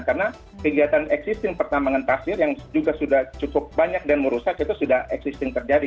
karena kegiatan eksisting pertambangan pasir yang juga sudah cukup banyak dan merusak itu sudah eksisting terjadi